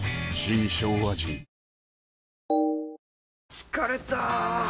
疲れた！